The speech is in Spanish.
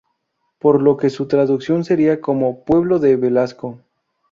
Por lo que su traducción sería como 'pueblo de Velasco'.